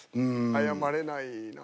謝れないな。